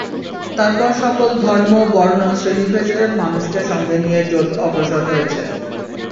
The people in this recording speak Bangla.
তারপর সকল ধর্ম, বর্ণ, শ্রেণি-পেশার মানুষকে সঙ্গে নিয়ে জোট অগ্রসর হয়েছে।